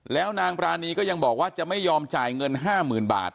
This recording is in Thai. แล้วนางปรานีก็ยังบอกว่าจะไม่ยอมจ่ายเงิน๕๐๐๐บาท